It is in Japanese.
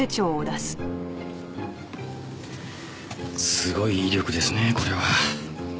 すごい威力ですねこれは。